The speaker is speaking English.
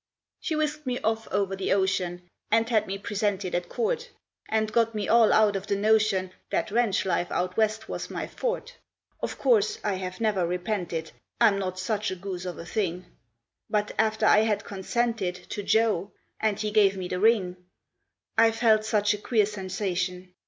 She whisked me off over the ocean, And had me presented at court, And got me all out of the notion That ranch life out west was my forte. Of course I have never repented I'm not such a goose of a thing; But after I had consented To Joe and he gave me the ring I felt such a queer sensation.